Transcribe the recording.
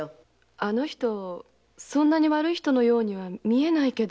あの人そんなに悪い人のようには見えないけど。